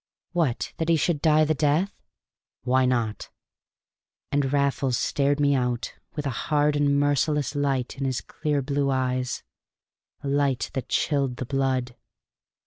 "What, that he should die the death?" "Why not?" And Raffles stared me out with a hard and merciless light in his clear blue eyes a light that chilled the blood.